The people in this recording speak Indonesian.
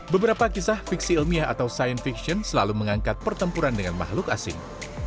beberapa kisah fiksi ilmiah atau science fiction selalu mengangkat pertempuran dengan makhluk asing